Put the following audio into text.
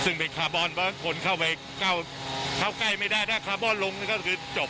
ซึ่งเป็นคาร์บอนเพราะคนเข้าไปเข้าใกล้ไม่ได้ถ้าคาร์บอนลงก็คือจบ